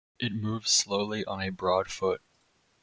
It moves slowly on a broad foot.